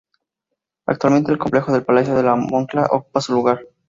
Actualmente, el complejo del Palacio de la Moncloa ocupa su lugar.